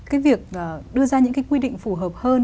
cái việc đưa ra những cái quy định phù hợp hơn